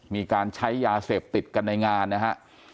มีการใช้ยาเสพติดกันในงานนะฮะ